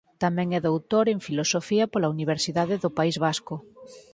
Tamén é doutor en Filosofía pola Universidade do País Vasco.